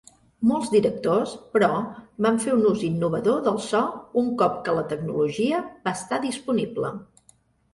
Molts directors, però, van fer un ús innovador del so un cop que la tecnologia va estar disponible.